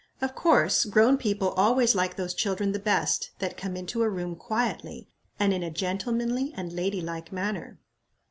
Of course, grown people always like those children the best that come into a room quietly, and in a gentlemanly and lady like manner."